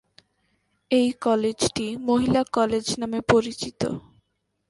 এই কলেজটি 'মহিলা কলেজ' নামে পরিচিত।